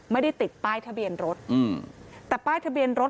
ไม่ได้ติดป้ายทะเบียนรถ